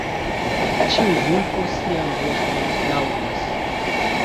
Ĉiu vulpo sian voston laŭdas.